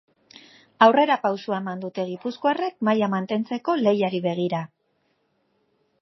Aurrerapausoa eman dute gipuzkoarrek maila mantentzeko lehiari begira.